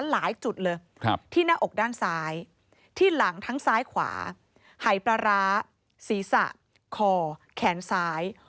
หลายจุดเลยที่หน้าอกด้านซ้ายที่หลังทั้งซ้ายขวาหายปลาร้าศีรษะคอแขนซ้าย